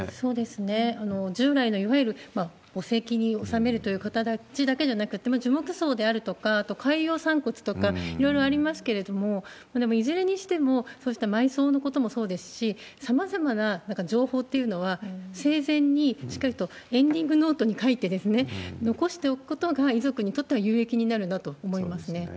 従来のいわゆる墓石に納めるという形だけじゃなくて、樹木葬であるとか、あと、海洋散骨とか、いろいろありますけれども、いずれにしても、そうした埋葬のこともそうですし、さまざまななんか情報というのは、生前にしっかりとエンディングノートに書いて、残しておくことが、遺族にとっては有益になるんだと思いますね。